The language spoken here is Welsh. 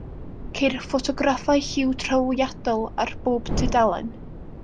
Ceir ffotograffau lliw trawiadol ar bob tudalen.